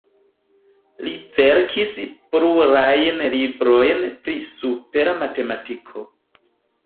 Li verkis plurajn librojn pri supera matematiko.